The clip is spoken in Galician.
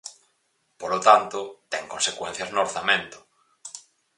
Polo tanto, ten consecuencias no orzamento.